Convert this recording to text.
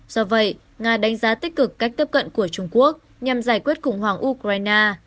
do vậy nga đánh giá tích cực cách tiếp cận của trung quốc nhằm giải quyết khủng hoảng ukraine